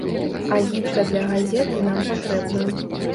Агітка для газеты нам патрэбна.